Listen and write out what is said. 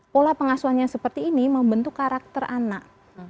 pola pengasuhannya seperti ini membentuk karakter anak